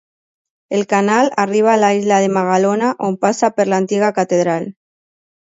El canal arriba a l'illa de Magalona on passa per l'antiga catedral.